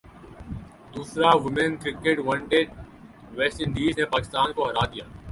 دوسرا women cricket one day West Indies نےپاکستان کوہرادیا